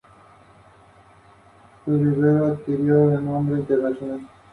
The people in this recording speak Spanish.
Casado con Berta Vargas, fue padre del escritor Augusto Tamayo Vargas.